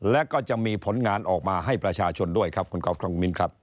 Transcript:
และก็จะมีผลงานออกมาให้ประชาชนด้วยคราบครับ